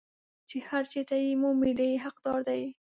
چې هر چېرته یې مومي دی یې حقدار دی.